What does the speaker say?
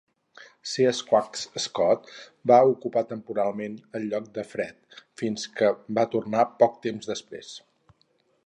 C Squat's Scott va ocupar temporalment el lloc de Fred fins que va tornar poc temps després.